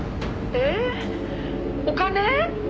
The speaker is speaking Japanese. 「えっお金？」